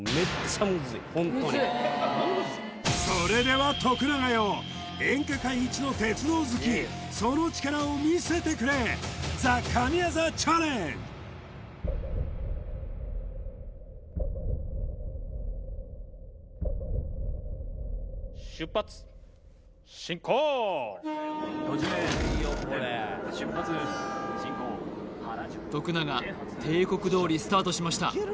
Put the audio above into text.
ムズイそれでは徳永よ演歌界一の鉄道好きその力を見せてくれ徳永定刻どおりスタートしました